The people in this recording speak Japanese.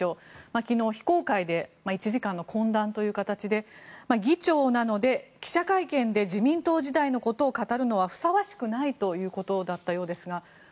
昨日、非公開で１時間の懇談ということで議長なので記者会見で語るのはふさわしくないということだったようですが。